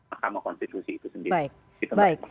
akamu konstitusi itu sendiri